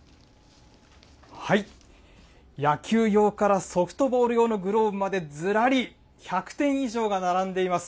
野球用からソフトボール用のグローブまで、ずらり１００点以上が並んでいます。